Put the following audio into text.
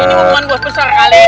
ini omongan bos besar kali